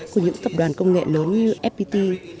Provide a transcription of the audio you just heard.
của những tập đoàn công nghệ lớn như fpt